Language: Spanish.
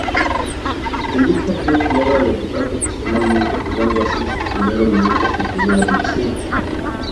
En dicho club logra debutar profesionalmente, jugando asi sus primeros minutos en primera división.